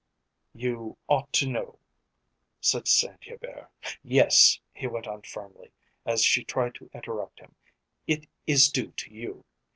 "You ought to know," said Saint Hubert. "Yes!" he went on firmly, as she tried to interrupt him. "It is due to you.